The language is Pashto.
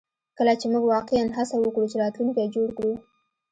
کله چې موږ واقعیا هڅه وکړو چې راتلونکی جوړ کړو